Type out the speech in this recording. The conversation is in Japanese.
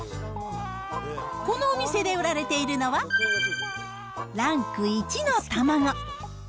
このお店で売られているのは、ランク１の卵。